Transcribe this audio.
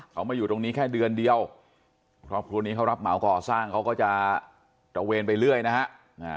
เขามาอยู่ตรงนี้แค่เดือนเดียวครอบครัวนี้เขารับเหมาก่อสร้างเขาก็จะตระเวนไปเรื่อยนะฮะ